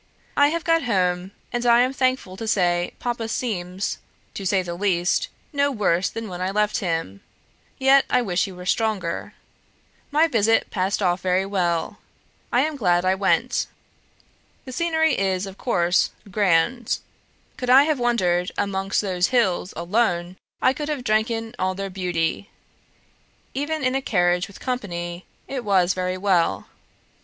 I have got home, and I am thankful to say Papa seems, to say the least, no worse than when I left him, yet I wish he were stronger. My visit passed off very well; I am glad I went. The scenery is, of course, grand; could I have wandered about amongst those hills ALONE, I could have drank in all their beauty; even in a carriage with company, it was very well.